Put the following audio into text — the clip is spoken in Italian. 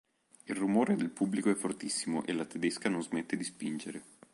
Il rumore del pubblico è fortissimo e la tedesca non smette di spingere.